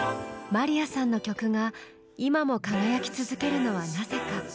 まりやさんの曲が今も輝き続けるのはなぜか？